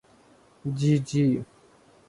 جی جی۔